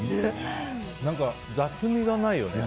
何か雑味がないよね。